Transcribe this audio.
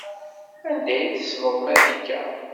Anda ay tessneḍ Marika?